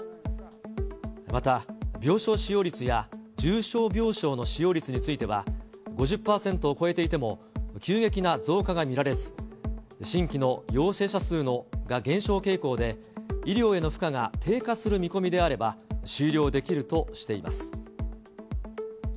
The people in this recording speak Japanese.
また、病床使用率や重症病床の使用率については、５０％を超えていても、急激な増加が見られず、新規の陽性者数が減少傾向で、医療への負荷が低下する見込みであれば、終了できるとしています。